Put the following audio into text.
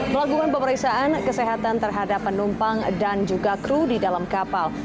melakukan pemeriksaan kesehatan terhadap penumpang dan juga kru di dalam kapal